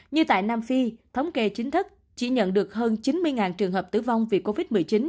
như tại nam phi thống kê chính thức chỉ nhận được hơn chín mươi trường hợp tử vong vì covid một mươi chín